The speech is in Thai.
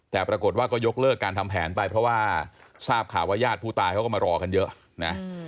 แต่ปรากฏว่าก็ยกเลิกการทำแผนไปเพราะว่าทราบข่าวว่าญาติผู้ตายเขาก็มารอกันเยอะนะ